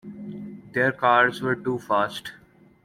Their cars were too fast.